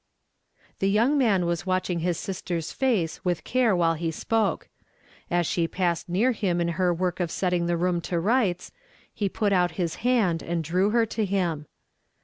The young man was watching his sister's face with care while he s])oke. As she passed near him in her work of setting the room to rights, he put out his hand and drew her to him.